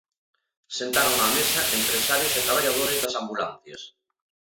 Sentaron á mesa empresarios e traballadores das ambulancias.